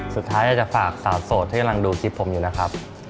สุดท้ายอาจจะฝากสาวโสดที่กำลังดูคลิปผมอยู่นะครับ